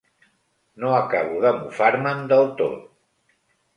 No acabo de mofar-me'n del tot.